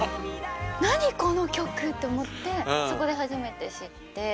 「なにこの曲！」って思ってそこで初めて知って。